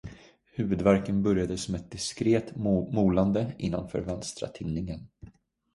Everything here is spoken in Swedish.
Huvudvärken började som ett diskret molande innanför vänstra tinningen.